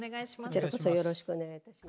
こちらこそよろしくお願いいたします。